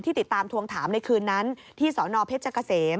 ที่ติดตามทวงถามในคืนนั้นที่สพกษ